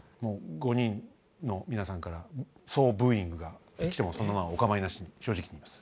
５人の皆さんから総ブーイングが来てもお構いなし正直に言います。